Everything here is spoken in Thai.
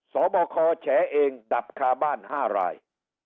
สอบคอแฉเองดับคาบ้าน๕ราย